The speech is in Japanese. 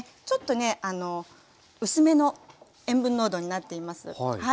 ちょっとね薄めの塩分濃度になっています。